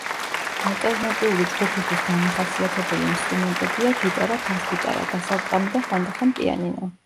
ალტერნატიული ჯგუფისთვის დამახასიათებელი ინსტრუმენტებია გიტარა ბას-გიტარა დასარტყამი და ხანდახან პიანინო.